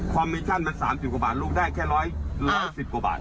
คอมแมจ์ยังมัน๓๐กว่าบาทลุงได้แค่๑๑๐กว่าบาท